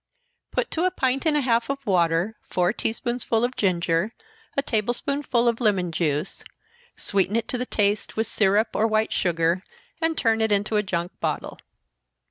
_ Put to a pint and a half of water four tea spoonsful of ginger, a table spoonful of lemon juice sweeten it to the taste with syrup or white sugar, and turn it into a junk bottle.